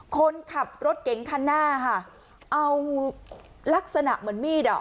คนขับรถเก๋งคันหน้าค่ะเอาลักษณะเหมือนมีดอ่ะ